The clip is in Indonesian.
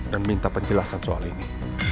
dan minta penjelasan soal ini